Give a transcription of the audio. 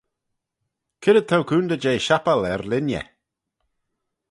C'red t'ou coontey jeh shappal er-linney?